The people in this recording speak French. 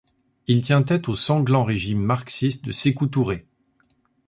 Il tient tête au sanglant régime marxiste de Sékou Touré.